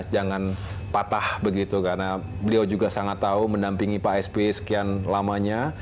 jangan patah begitu karena beliau juga sangat tahu mendampingi pak sp sekian lamanya